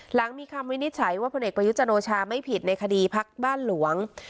หลังมีคำวินิจฉัยว่าพลเอกประยุจันโอชาไม่ผิดในคดีพักบ้านหลวง